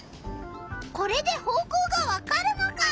これで方向がわかるのか！